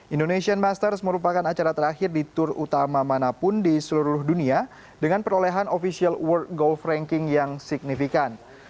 indonesian masters merupakan acara terakhir di tour utama manapun di seluruh dunia dengan perolehan official world golf ranking yang signifikan